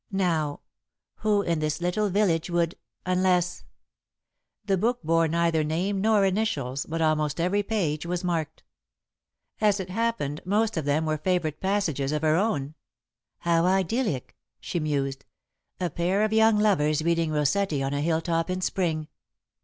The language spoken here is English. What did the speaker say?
"Now, who in this little village would unless " The book bore neither name nor initials, but almost every page was marked. As it happened, most of them were favourite passages of her own. "How idyllic!" she mused; "a pair of young lovers reading Rossetti on a hill top in Spring!